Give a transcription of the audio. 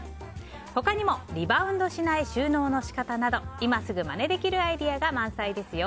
他にもリバウンドしない収納の仕方など今すぐまねできるアイデアが満載ですよ。